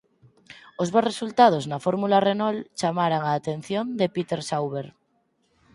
Os bos resultados na Fórmula Renault chamaran a atención de Peter Sauber.